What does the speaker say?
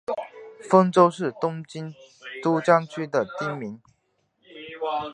丰洲是东京都江东区的町名。